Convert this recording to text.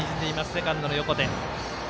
セカンドの横手。